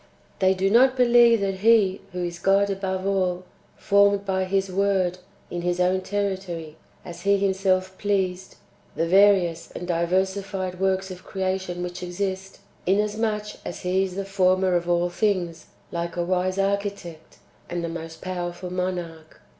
They do not believe that He, who is God above all, formed by His word, in His own territory, as He Himself pleased, the various and diversified [works of creation which exist], inasmuch as He is the former of all things, like a wise architect, and a most powerful monarch.